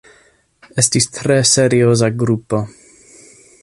Estis tre serioza grupo.